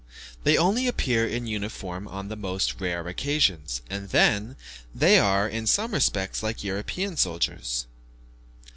They only appear in uniform on the most rare occasions, and then they are, in some respects, like European soldiers.